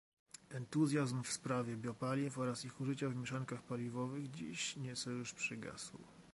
Entuzjazm w sprawie biopaliw oraz ich użycia w mieszankach paliwowych dziś nieco już przygasł